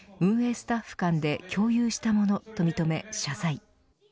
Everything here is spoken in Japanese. スタッフ間で共有したものと認め、謝罪。